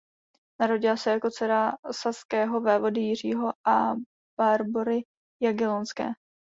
Narodila se jako dcera saského vévody Jiřího a Barbory Jagellonské.